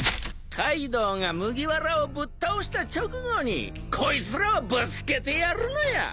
カイドウが麦わらをぶっ倒した直後にこいつらをぶつけてやるのよ。